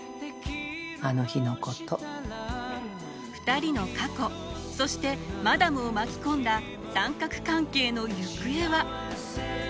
２人の過去そしてマダムを巻き込んだ三角関係の行方は？